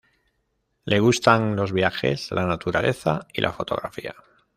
Le gustan los viajes, la naturaleza, y la fotografía.